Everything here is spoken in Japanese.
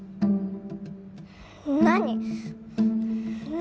何？